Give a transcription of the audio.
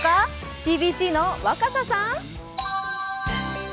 ＣＢＣの若狭さん。